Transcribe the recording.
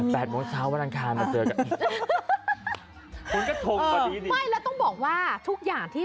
แบบนี้